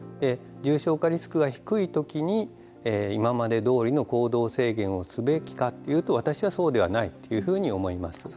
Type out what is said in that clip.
重症化リスクが低いときに今までどおりの行動制限をすべきかというと私は、そうではないというふうに思います。